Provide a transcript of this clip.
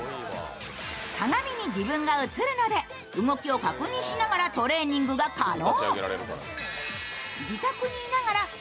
鏡に自分が映るので動きを確認しながらトレーニングが可能。